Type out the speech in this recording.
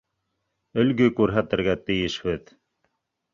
Өлгө күрһәтергә тейешбеҙ